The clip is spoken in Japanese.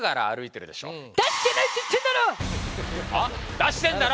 出してんだろ！